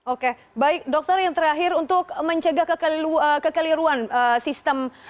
oke baik dokter yang terakhir untuk mencegah kekeliruan sistem